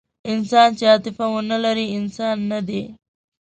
انسان چې عاطفه ونهلري، انسان نهدی.